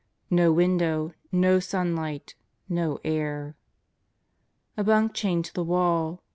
No window. No sunlight. No air. A bunk chained to the wall.